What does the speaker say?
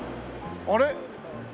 あれ？